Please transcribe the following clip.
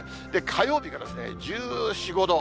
火曜日が１４、５度。